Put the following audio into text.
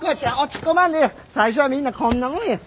最初はみんなこんなもんや。